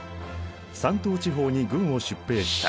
山東地方に軍を出兵した。